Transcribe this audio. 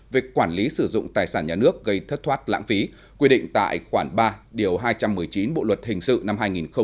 về quản lý sử dụng tài sản nhà nước gây thất thoát lãng phí quy định tại khoản ba điều hai trăm một mươi chín bộ luật hình sự năm hai nghìn một mươi năm